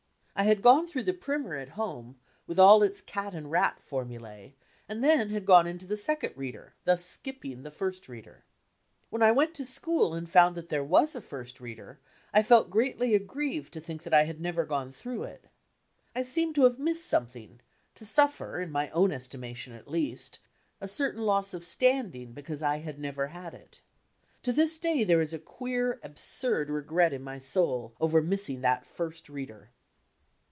I had gone through the primer at home with all its cat and rat formulae, and then had gone into the Second Reader, •">.,. .,Google thus skipping the First Reader. When I went to school and found that there was a First Reader I felt gready aggrieved to think that I had never gone through it. I seemed to have missed something, to suffer, in my own esdmation, at least, a ceruin loss of standing because I had never had it. To this day there is a queer, absurd regret in my soul over missing that First Reader.